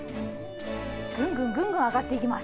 ぐんぐんぐんぐん上がっていきます。